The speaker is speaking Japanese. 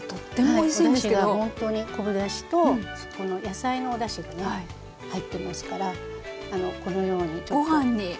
はいおだしがほんとに昆布だしとこの野菜のおだしがね入ってますからこのようにちょっとご飯に。